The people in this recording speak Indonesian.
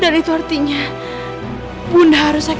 dan ketika itu kamu sudah kembali menang